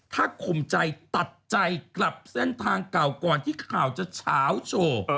ถ้าข่มใจตัดใจกลับเส้นทางเก่าก่อนที่ข่าวจะเฉาโชว์